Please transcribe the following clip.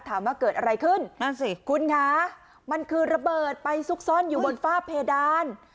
ถามว่าเกิดอะไรขึ้นนั่นสิคุณคะมันคือระเบิดไปซุกซ่อนอยู่บนฝ้าเพดาน